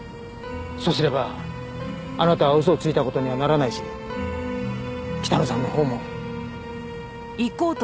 そうすればあなたは嘘をついた事にはならないし北野さんのほうも。